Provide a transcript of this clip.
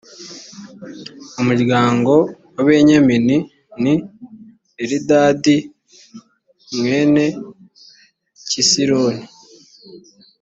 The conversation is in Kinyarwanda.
mu muryango wa benyamini, ni elidadi mwene kisiloni.